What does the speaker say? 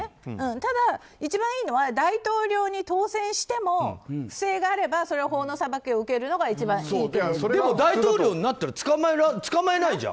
ただ、一番いいのは大統領に当選しても不正があればそれは法の裁きを受けるのがでも、大統領になったら捕まえられないじゃん。